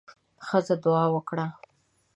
ښځه دعا وکړه.